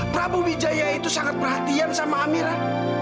prabu wijaya itu sangat perhatian sama amira